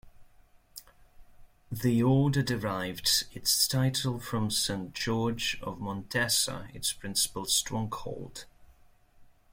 The order derived its title from Saint George of Montesa, its principal stronghold.